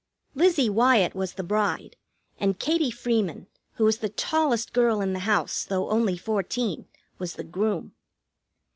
Lizzie Wyatt was the bride, and Katie Freeman, who is the tallest girl in the house, though only fourteen, was the groom.